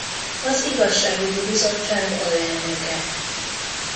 Az igazságügyi bizottság alelnöke.